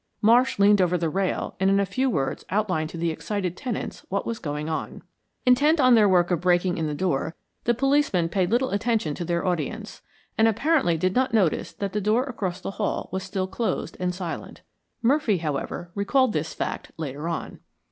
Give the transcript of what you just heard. Marsh leaned over the rail and in a few words outlined to the excited tenants what was going on. Intent on their work of breaking in the door, the policemen paid little attention to their audience, and apparently did not notice that the door across the hall was still closed and silent. Murphy, however, recalled this fact later on.